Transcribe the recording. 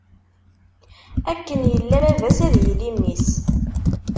Akken yella baba-s, ad yili mmi-s.